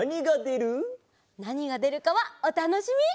なにがでるかはおたのしみ！